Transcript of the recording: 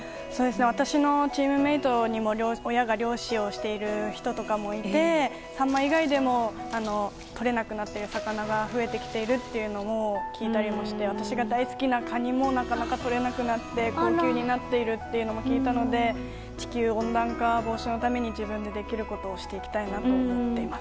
私のチームメートにも親が漁師をしている人とかもいてサンマ以外でもとれなくなっている魚が増えてきているというのも聞いたりもして私が大好きなカニもなかなかとれなくなって高級になっていると聞いたので地球温暖化防止のために自分でできることをしていきたいなと思っています。